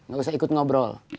gak usah ikut ngobrol